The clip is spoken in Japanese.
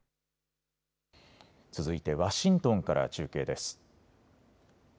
続いてワシントンから中継です。